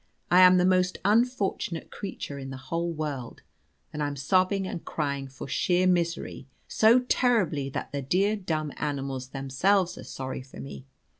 I am the most unfortunate creature in the whole world, and I'm sobbing and crying for sheer misery so terribly that the dear dumb animals themselves are sorry for me.